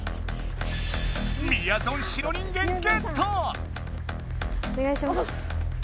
みやぞん白人間ゲット！おねがいします。